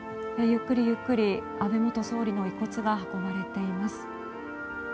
ゆっくりゆっくり安倍元総理の遺骨が運ばれています。